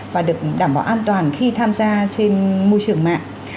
và được đảm bảo an toàn khi tham gia trên môi trường mạng